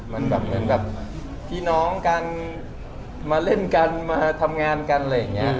มันแบบเหมือนแบบพี่น้องกันมาเล่นกันมาทำงานกันอะไรอย่างนี้